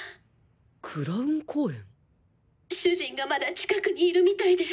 蔵雲公園！主人がまだ近くにいるみたいで。